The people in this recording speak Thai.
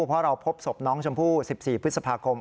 เพราะเราพบศพน้องชมพู่๑๔พฤษภาคม